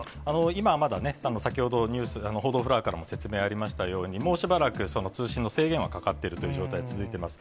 今はまだね、先ほど報道フロアからも説明ありましたように、もうしばらく通信の制限はかかっているという状態が続いています。